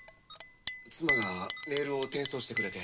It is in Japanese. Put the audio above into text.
妻がメールを転送してくれて。